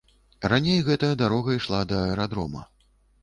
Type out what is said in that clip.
Раней гэтая дарога ішла да аэрадрома.